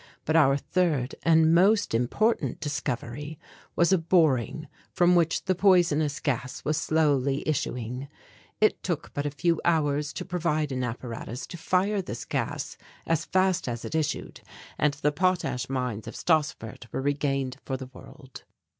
But our third and most important discovery was a boring from which the poisonous gas was slowly issuing. It took but a few hours to provide an apparatus to fire this gas as fast as it issued, and the potash mines of Stassfurt were regained for the world.